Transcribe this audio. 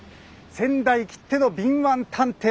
仙台きっての敏腕探偵！